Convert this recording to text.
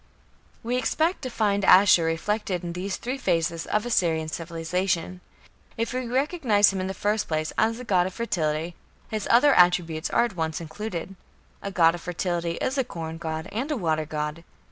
" We expect to find Ashur reflected in these three phases of Assyrian civilization. If we recognize him in the first place as a god of fertility, his other attributes are at once included. A god of fertility is a corn god and a water god.